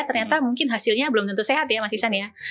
ternyata mungkin hasilnya belum tentu sehat ya mas isan ya